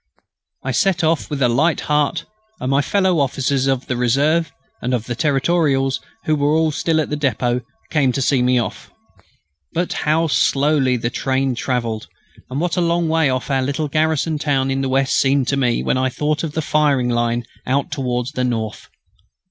I set off with a light heart, and my fellow officers of the Reserve and of the Territorials, who were still at the depôt, came to see me off. But how slowly the train travelled, and what a long way off our little garrison town in the west seemed to me when I thought of the firing line out towards the north!